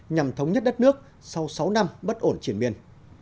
nhằm thống nhất đất nước sau sáu năm bất ổn triển miên